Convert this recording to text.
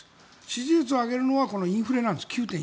支持率を上げるのはこのインフレなんです。